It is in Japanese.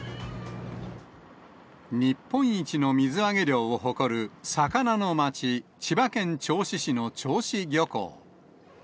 日本一の水揚げ量を誇る魚の町、千葉県銚子市の銚子漁港。